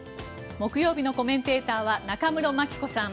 木曜日のコメンテーターは中室牧子さん